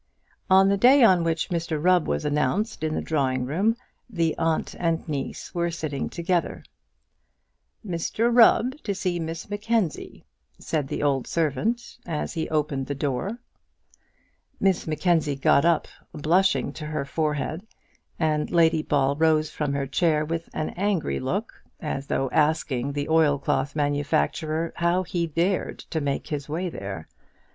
On the day on which Mr Rubb was announced in the drawing room, the aunt and niece were sitting together. "Mr Rubb to see Miss Mackenzie," said the old servant, as he opened the door. Miss Mackenzie got up, blushing to her forehead, and Lady Ball rose from her chair with an angry look, as though asking the oilcloth manufacturer how he dared to make his way in there.